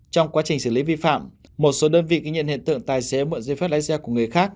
trong quá trình xử lý vi phạm một số đơn vị ghi nhận hiện tượng tài xế mượn giấy phép lái xe của người khác